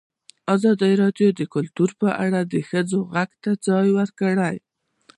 ازادي راډیو د کلتور په اړه د ښځو غږ ته ځای ورکړی.